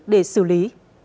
để xử lý